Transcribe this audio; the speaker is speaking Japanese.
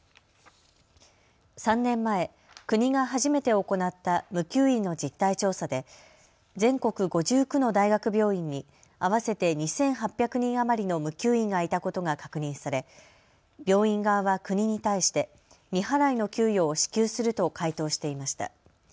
３年前、国が初めて行った無給医の実態調査で全国５９の大学病院に合わせて２８００人余りの無給医がいたことが確認され病院側は国に対して未払いの給与を支給すると回答していました。